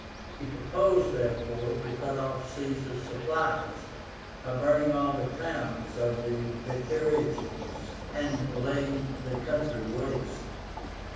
He proposed, therefore, to cut off Caesar's supplies by burning all the towns of the Bituriges, and laying the country waste.